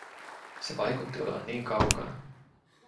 Se vaikutti olevan niin kaukana.